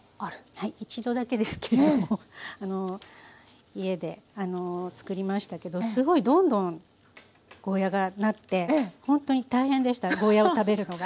はい一度だけですけども家で作りましたけどすごいどんどんゴーヤーがなってほんとに大変でしたゴーヤーを食べるのが。